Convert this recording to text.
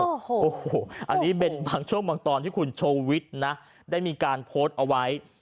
โอ้โหอันนี้เป็นบางช่วงบางตอนที่คุณชูวิทย์นะได้มีการโพสต์เอาไว้